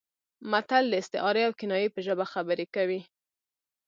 متل د استعارې او کنایې په ژبه خبرې کوي